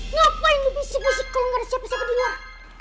ngapain lo bisik bisik kalau nggak ada siapa siapa di luar